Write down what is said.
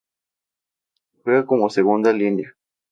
Juega como segunda línea.